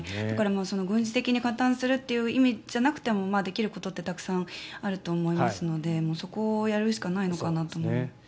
だから、軍事的に加担するという意味じゃなくてもできることってたくさんあると思いますのでそこをやるしかないのかなと。